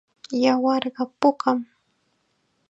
Yawarqa pukam.